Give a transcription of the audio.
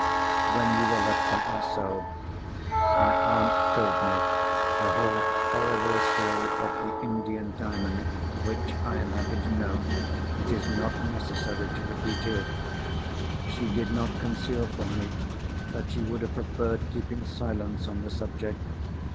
When we were left by ourselves, my aunt told me the whole horrible story of the Indian Diamond, which, I am happy to know, it is not necessary to repeat here. She did not conceal from me that she would have preferred keeping silence on the subject.